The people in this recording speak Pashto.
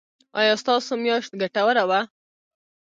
ایا ستاسو میاشت ګټوره وه؟